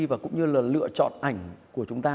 và cũng như là lựa chọn ảnh của chúng ta